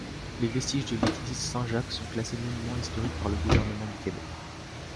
Les vestiges de l'église Saint-Jacques sont classés monuments historiques par le gouvernement du Québec.